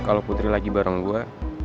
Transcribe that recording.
kalau putri lagi bareng gue